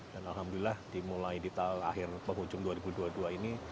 dan alhamdulillah dimulai di tahun akhir penghujung dua ribu dua puluh dua ini